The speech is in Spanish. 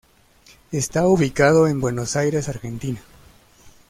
Está ubicado en Buenos Aires, Argentina.